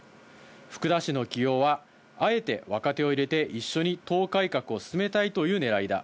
福田氏の起用は、あえて若手を入れて、一緒に党改革を進めたいというねらいだ。